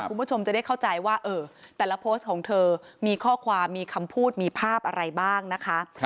คุณผู้ชมจะได้เข้าใจว่าเออแต่ละโพสต์ของเธอมีข้อความมีคำพูดมีภาพอะไรบ้างนะคะ